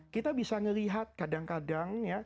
kita bisa melihat kadang kadang